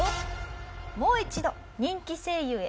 「もう一度人気声優へ！